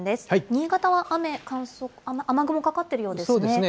新潟は雨、雨雲かかっているようそうですね。